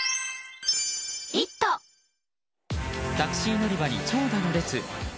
タクシー乗り場に長蛇の列。